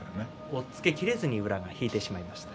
押っつけきれずに宇良が引いてしまいました。